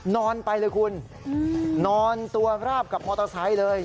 นอนไปเลยคุณนอนตัวราบกับมอเตอร์ไซค์เลย